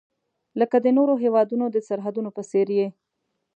لکه د نورو هیوادونو د سرحدونو په څیر یې.